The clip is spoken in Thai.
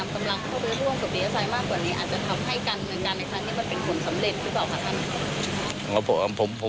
อาจจะทำให้กันเหมือนกันนะคะนี่มันเป็นผลสำเร็จใช่เปล่าครับท่าน